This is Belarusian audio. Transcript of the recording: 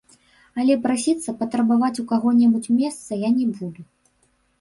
Але прасіцца, патрабаваць у каго-небудзь месца я не буду.